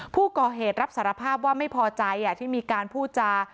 ผู้ก่อเหตุรับสารภาพว่าไม่พอใจที่มีการพูดจา